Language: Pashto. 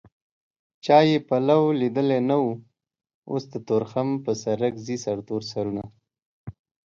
چا يې پلو ليدلی نه و اوس د تورخم په سرک ځي سرتور سرونه